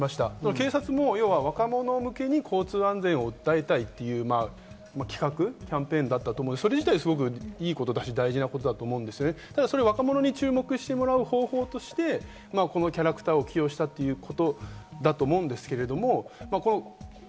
警察も若者向けに交通安全を訴えたいというキャンペーンだったと思うんですが、それ自体はいいことだし大事なことですが、若者に注目してもらう方法としてこのキャラクターを起用したということだと思うんですけれども。